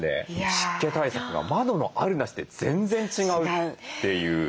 湿気対策が窓のあるなしで全然違うという。